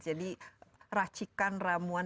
jadi racikan ramuan